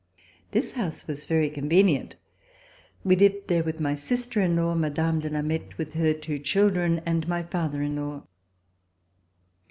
This house was very convenient. We lived here with my sister in law, Mme. de Lameth, her two children and my father in law.